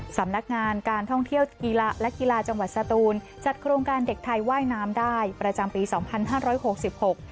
สำนักงานการท่องเที่ยวกีฬาและกีฬาจังหวัดสตูนจัดโครงการเด็กไทยว่ายน้ำได้ประจำปีสองพันห้าร้อยหกสิบหก